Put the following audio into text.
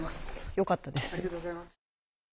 よかったです。